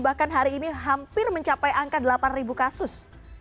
bahkan hari ini hampir mencapai angka delapan kasus